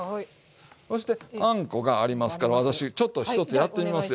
そしてあんこがありますから私ちょっと一つやってみますよ。